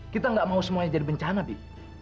kita nggak mau semuanya jadi bencana bi